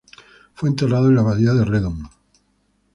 Fue enterrado en la abadía de Redon.